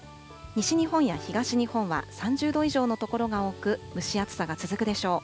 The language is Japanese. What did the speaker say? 西日本や東日本は３０度以上の所が多く、蒸し暑さが続くでしょう。